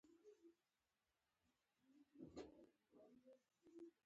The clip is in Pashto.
د پښتنو په کلتور کې سهار وختي پاڅیدل عادت دی.